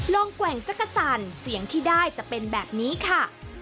แกว่งจักรจันทร์เสียงที่ได้จะเป็นแบบนี้ค่ะ